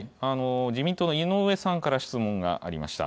自民党の井上さんから質問がありました。